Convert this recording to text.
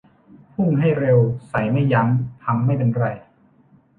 พุ่งให้เร็ว ใส่ไม่ยั้ง พังไม่เป็นไร